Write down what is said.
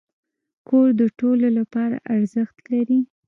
کور د ټولو لپاره ارزښت لري.